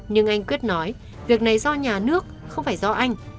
nhưng anh quyết nói việc này do nhà nước không phải do anh